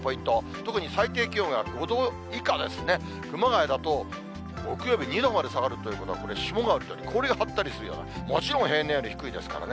特に最低気温が５度以下ですね、熊谷だと、木曜日、２度まで下がるということは、これ、霜が降りて氷が張ったりするような、もちろん平年より低いですからね。